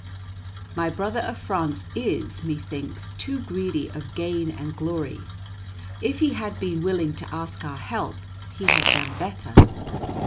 "My brother of France is, methinks, too greedy of gain and glory; if he had been willing to ask our help, he had done better."